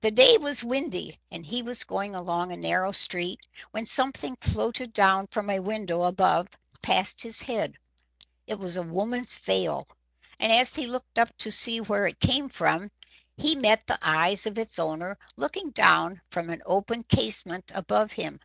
The day was windy and he was going along a narrow street, when something floated down from a window above past his head. It was a woman's veil, and as he looked up to see where it came from he met the eyes of its owner looking down from an open casement above him.